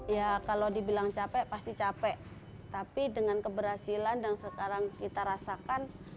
ya kalau dibilang capek pasti capek tapi dengan keberhasilan yang sekarang kita rasakan